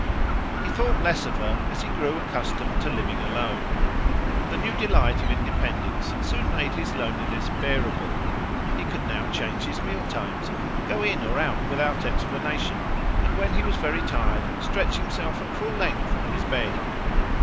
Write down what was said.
He thought less of her as he grew accustomed to living alone. The new delight of independence soon made his loneliness bearable. He could now change his meal times, go in or out without explanation, and when he was very tired stretch himself at full length on his bed.